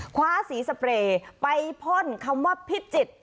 คว้าสีสเปรย์ไปพ่นคำว่าพิจิตร